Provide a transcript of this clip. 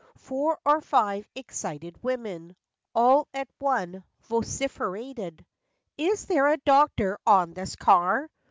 Four or five excited women All at one vociferated: " Is there a doctor on this car